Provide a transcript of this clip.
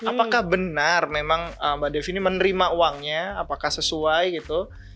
apakah benar memang mbak devi ini menerima uangnya apakah sesuai gitu